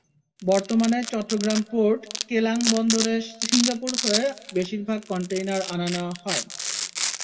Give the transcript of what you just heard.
বর্তমানে চট্টগ্রাম-পোর্ট কেলাং বন্দরে সিঙ্গাপুর হয়ে বেশির ভাগ কনটেইনার আনা-নেওয়া হয়।